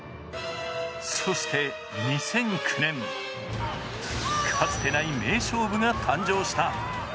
そして２００９年、かつてない名勝負が誕生した。